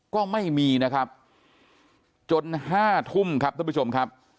ก็ไม่มีนะครับจนห้าทุ่มครับท่านผู้ชมครับ